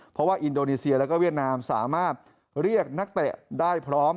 เพราะว่าอินโดนีเซียแล้วก็เวียดนามสามารถเรียกนักเตะได้พร้อม